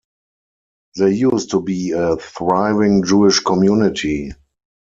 There used to be a thriving Jewish community.